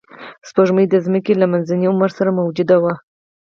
سپوږمۍ د ځمکې له منځني عمر سره موجوده وه